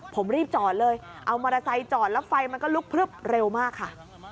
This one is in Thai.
ผมรีบจอดเลยเอามอเตอร์ไซค์จอดแล้วไฟมันก็ลุกพลึบเร็วมากค่ะ